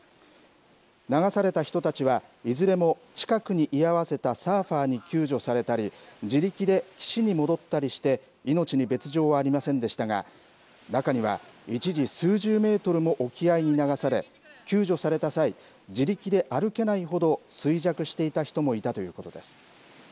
流された人たちはいずれも近くに居合わせたサーファーに救助されたり、自力で岸に戻ったりして、命に別状はありませんでしたが、中には一時、数十メートルも沖合に流され、救助された際、自力で歩けないほど衰弱していた人もいたということです。